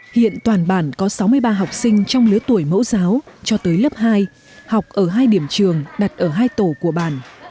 hiện toàn bản có sáu mươi ba học sinh trong lứa tuổi mẫu giáo cho tới lớp hai học ở hai điểm trường đặt ở hai tổ của bản